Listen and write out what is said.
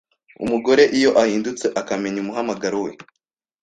Umugore iyo ahindutse akamenya umuhamagaro we